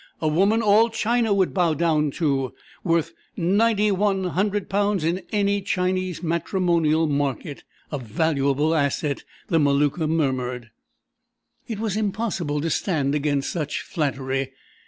A woman all China would bow down to! Worth ninety one hundred pounds in any Chinese matrimonial market. "A valuable asset," the Maluka murmured. It was impossible to stand against such flattery.